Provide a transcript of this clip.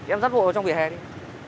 em rắt bộ vào trong vỉa hè đi